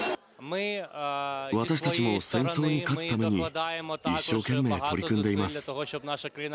私たちも戦争に勝つために一生懸命取り組んでいます。